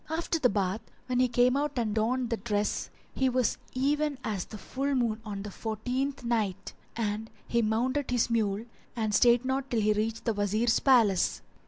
After the bath, when he came out and donned the dress, he was even as the full moon on the fourteenth night; and he mounted his mule and stayed not till he reached the Wazir's palace.